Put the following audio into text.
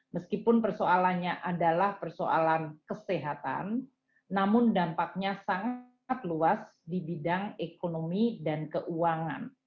meskipun persoalannya adalah persoalan kesehatan namun dampaknya sangat luas di bidang ekonomi dan keuangan